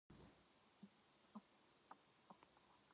잊었어?